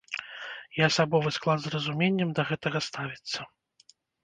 І асабовы склад з разуменнем да гэтага ставіцца.